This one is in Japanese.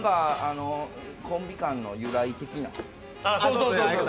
コンビ間の由来的な。